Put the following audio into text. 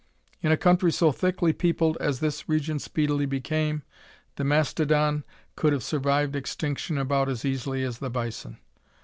In a country so thickly peopled as this region speedily became, the mastodon could have survived extinction about as easily as the bison.